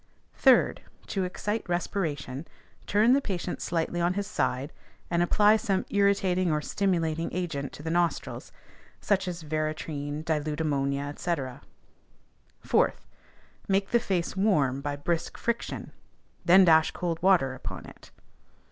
3d, To excite respiration, turn the patient slightly on his side, and apply some irritating or stimulating agent to the nostrils, as veratrine, dilute ammonia, &c. 4th, Make the face warm by brisk friction; then dash cold water upon it.